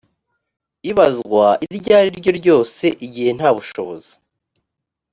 ibazwa iryo ari ryo ryose igihe nta bushobozi